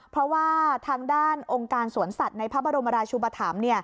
เพราะว่าทางด้านองค์การสวนสัตว์ในพระบรมราชุปธรรม